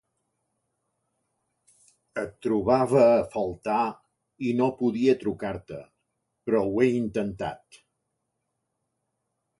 Et trobava a faltar i no podia trucar-te, però ho he intentat.